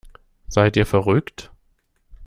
Seid ihr verrückt?